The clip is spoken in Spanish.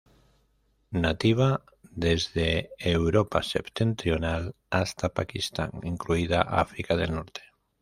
Nativa desde Europa septentrional hasta Pakistán, incluida África del Norte.